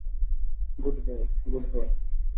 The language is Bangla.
Good boy, good boy.